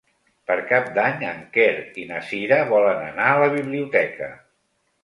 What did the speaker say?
Per Cap d'Any en Quer i na Cira volen anar a la biblioteca.